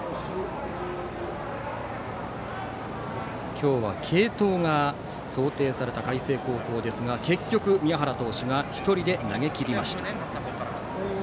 今日は継投が想定された海星高校ですが結局、宮原投手が１人で投げきりました。